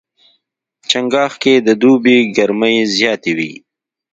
چنګاښ کې د دوبي ګرمۍ زیاتې وي.